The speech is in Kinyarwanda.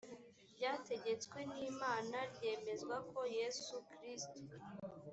ryategetswe n imana ryemezwa ko yesu kristo